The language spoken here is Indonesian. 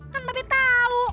kan mbak be tau